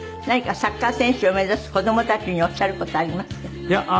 何かサッカー選手を目指す子供たちにおっしゃる事ありますか？